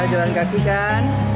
jalan kaki kan